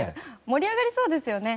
盛り上がりそうですよね。